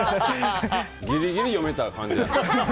ギリギリ読めた感じ。